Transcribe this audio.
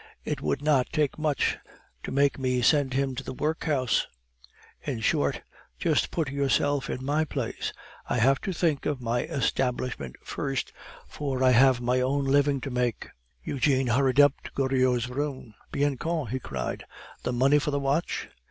It would not take much to make me send him to the workhouse. In short, just put yourself in my place. I have to think of my establishment first, for I have my own living to make." Eugene hurried up to Goriot's room. "Bianchon," he cried, "the money for the watch?"